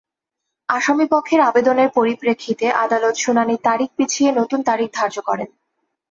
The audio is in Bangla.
আসামিপক্ষের আবেদনের পরিপ্রেক্ষিতে আদালত শুনানির তারিখ পিছিয়ে নতুন তারিখ ধার্য করেন।